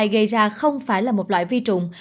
gây ra không phải là một loại vi trùng